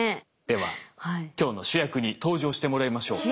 では今日の主役に登場してもらいましょう。